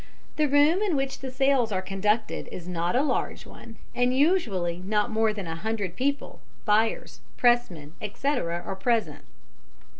The room in which the sales are conducted is not a large one, and usually not more than a hundred people, buyers, pressmen, etc., are present.